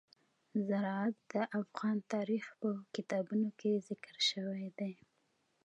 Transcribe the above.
زراعت د افغان تاریخ په کتابونو کې ذکر شوی دي.